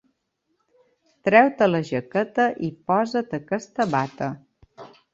Treu-te la jaqueta i posa't aquesta bata.